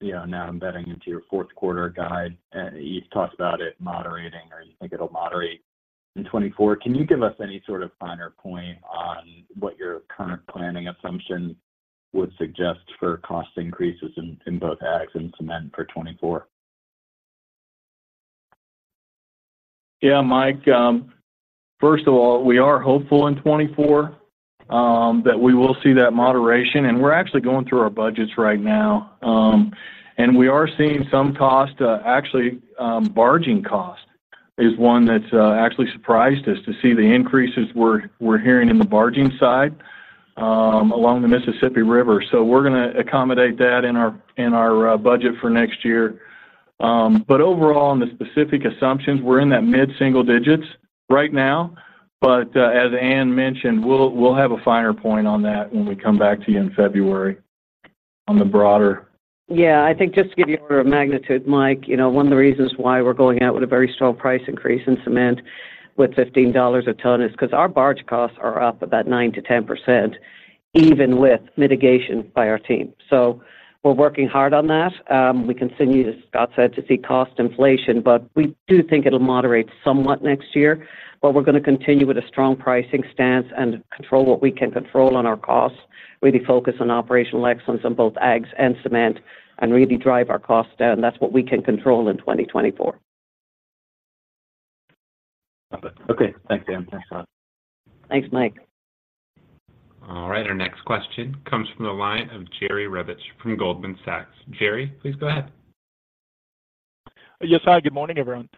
you know, now embedding into your fourth quarter guide, you've talked about it moderating, or you think it'll moderate in 2024. Can you give us any sort of finer point on what your current planning assumption would suggest for cost increases in, in both aggs and cement for 2024? Yeah, Mike, first of all, we are hopeful in 2024 that we will see that moderation, and we're actually going through our budgets right now. We are seeing some cost, actually, barging cost is one that's actually surprised us to see the increases we're, we're hearing in the barging side, along the Mississippi River. So we're gonna accommodate that in our, in our, budget for next year. But overall, on the specific assumptions, we're in that mid-single digits right now, but, as Anne mentioned, we'll, we'll have a finer point on that when we come back to you in February on the broader. Yeah, I think just to give you a magnitude, Mike, you know, one of the reasons why we're going out with a very strong price increase in cement with $15 a ton is 'cause our barge costs are up about 9%-10%, even with mitigation by our team. So we're working hard on that. We continue, as Scott said, to see cost inflation, but we do think it'll moderate somewhat next year. But we're gonna continue with a strong pricing stance and control what we can control on our costs, really focus on operational excellence in both aggs and cement, and really drive our costs down. That's what we can control in 2024. Okay. Thanks, Anne. Thanks, Scott. Thanks, Mike. All right, our next question comes from the line of Jerry Revich from Goldman Sachs. Jerry, please go ahead. Yes. Hi, good morning, everyone.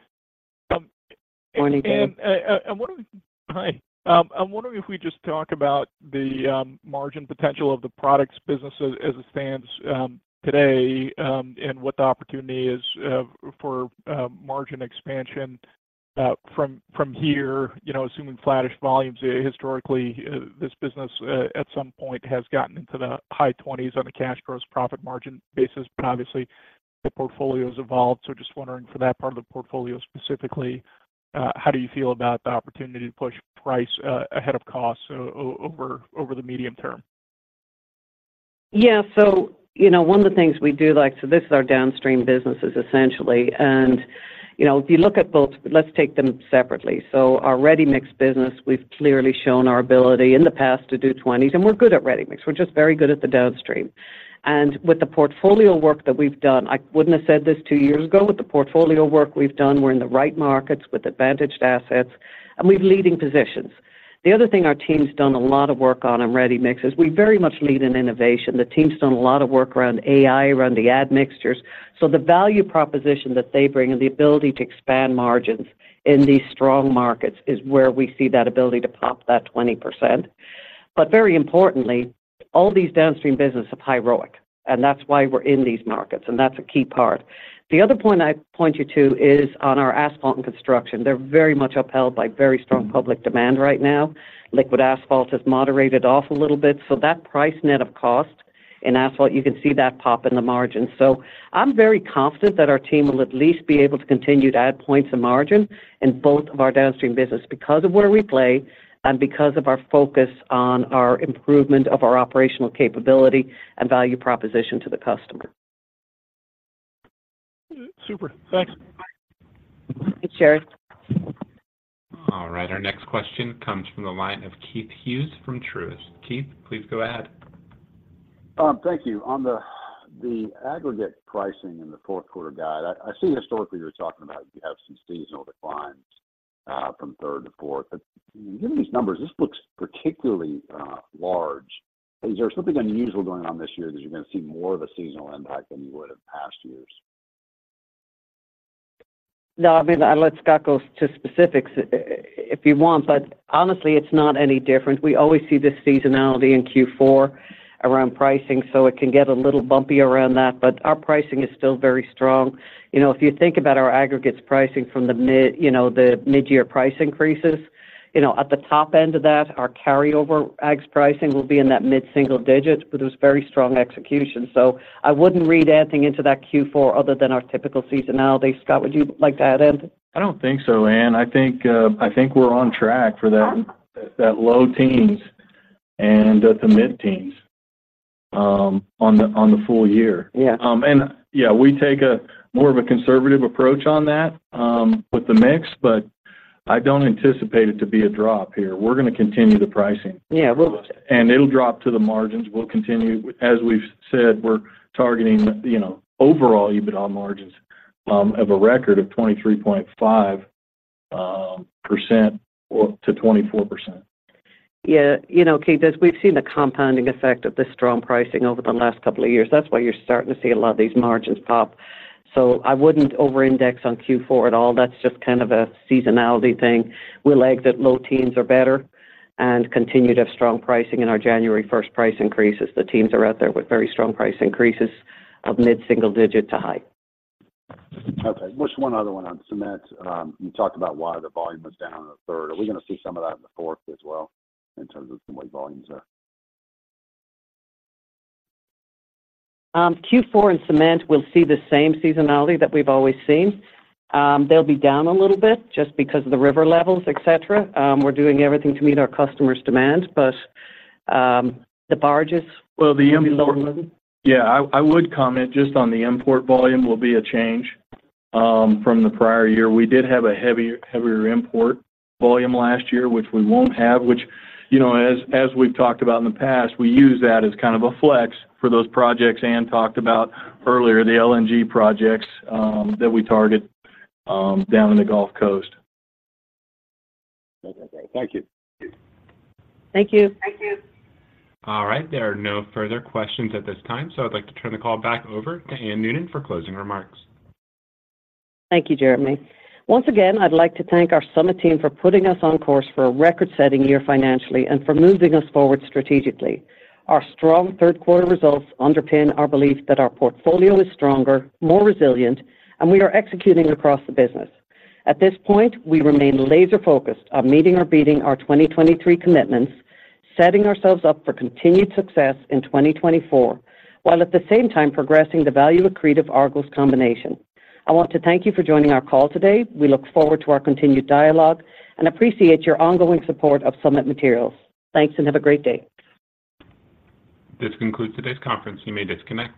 Morning, Jerry. Anne, I'm wondering. Hi. I'm wondering if we just talk about the margin potential of the products business as it stands today and what the opportunity is for margin expansion from here, you know, assuming flattish volumes. Historically, this business at some point has gotten into the high 20s on a cash gross profit margin basis, but obviously, the portfolio has evolved. So just wondering, for that part of the portfolio, specifically, how do you feel about the opportunity to push price ahead of costs over the medium term? Yeah. So, you know, one of the things we do like, so this is our downstream businesses, essentially, and, you know, if you look at both, let's take them separately. So our ready-mix business, we've clearly shown our ability in the past to do 20s, and we're good at ready-mix. We're just very good at the downstream. And with the portfolio work that we've done, I wouldn't have said this two years ago, with the portfolio work we've done, we're in the right markets with advantaged assets, and we've leading positions. The other thing our team's done a lot of work on in ready-mix is we very much lead in innovation. The team's done a lot of work around AI, around the admixtures. So the value proposition that they bring and the ability to expand margins in these strong markets is where we see that ability to pop that 20%. But very importantly, all these downstream businesses are high ROIC, and that's why we're in these markets, and that's a key part. The other point I'd point you to is on our asphalt and construction. They're very much upheld by very strong public demand right now. Liquid asphalt has moderated off a little bit, so that price net of cost in asphalt, you can see that pop in the margin. So I'm very confident that our team will at least be able to continue to add points of margin in both of our downstream businesses because of where we play and because of our focus on our improvement of our operational capability and value proposition to the customer. Super. Thanks. Thanks, Jerry. All right, our next question comes from the line of Keith Hughes from Truist. Keith, please go ahead. Thank you. On the aggregate pricing in the fourth quarter guide, I see historically, you're talking about you have some seasonal declines from third to fourth, but given these numbers, this looks particularly large. Is there something unusual going on this year that you're gonna see more of a seasonal impact than you would have past years? No, I mean, I'll let Scott go to specifics if he wants, but honestly, it's not any different. We always see this seasonality in Q4 around pricing, so it can get a little bumpy around that, but our pricing is still very strong. You know, if you think about our aggregates pricing from the mid, you know, the mid-year price increases, you know, at the top end of that, our carryover aggs pricing will be in that mid-single digits, but there's very strong execution. So I wouldn't read anything into that Q4 other than our typical seasonality. Scott, would you like to add in? I don't think so, Anne. I think, I think we're on track for that, that low teens and the mid-teens, on the, on the full year. Yeah. And yeah, we take a more of a conservative approach on that, with the mix, but I don't anticipate it to be a drop here. We're gonna continue the pricing. Yeah, we'll. It'll drop to the margins. We'll continue. As we've said, we're targeting, you know, overall EBITDA margins of a record of 23.5% or to 24%? Yeah, you know, Keith, as we've seen the compounding effect of this strong pricing over the last couple of years, that's why you're starting to see a lot of these margins pop. So I wouldn't over-index on Q4 at all. That's just kind of a seasonality thing. We like that low teens are better and continued to have strong pricing in our January 1st price increases. The teams are out there with very strong price increases of mid-single digit to high. Okay. What's one other one on cement? You talked about why the volume was down in the third. Are we gonna see some of that in the fourth as well, in terms of the way volumes are? Q4 in cement will see the same seasonality that we've always seen. They'll be down a little bit just because of the river levels, et cetera. We're doing everything to meet our customers' demand, but the barges. Well, the import, yeah, I would comment just on the import volume will be a change from the prior year. We did have a heavier import volume last year, which we won't have, which, you know, as we've talked about in the past, we use that as kind of a flex for those projects Anne talked about earlier, the LNG projects that we target down in the Gulf Coast. Okay. Thank you. Thank you. Thank you. All right. There are no further questions at this time, so I'd like to turn the call back over to Anne Noonan for closing remarks. Thank you, Jeremy. Once again, I'd like to thank our Summit team for putting us on course for a record-setting year financially and for moving us forward strategically. Our strong third quarter results underpin our belief that our portfolio is stronger, more resilient, and we are executing across the business. At this point, we remain laser-focused on meeting or beating our 2023 commitments, setting ourselves up for continued success in 2024, while at the same time progressing the value accretive Argos combination. I want to thank you for joining our call today. We look forward to our continued dialogue and appreciate your ongoing support of Summit Materials. Thanks, and have a great day. This concludes today's conference. You may disconnect.